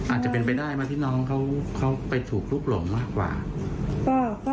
อาจจะเป็นไปได้ไหมที่น้องเขาไปถูกลุกหลงมากกว่า